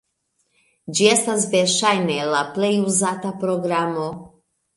Ĝi estas verŝajne la plej uzata programo.